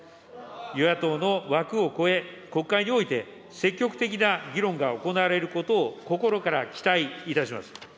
与野党の枠を超え、国会において積極的な議論が行われることを心から期待いたします。